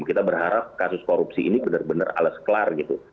kita berharap kasus korupsi ini benar benar alas kelar gitu